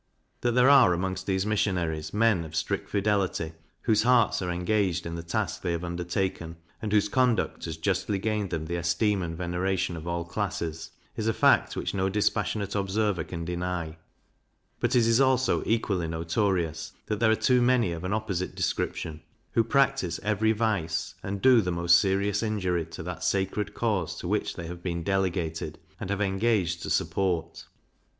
That there are amongst these Missionaries men of strict fidelity, whose hearts are engaged in the task they have undertaken, and whose conduct has justly gained them the esteem and veneration of all classes, is a fact which no dispassionate observer can deny; but it is also equally notorious, that there are too many of an opposite description, who practise every vice, and do the most serious injury to that sacred cause to which they have been delegated, and have engaged to support.